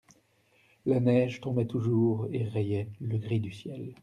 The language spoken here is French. La neige tombait toujours et rayait le gris du ciel.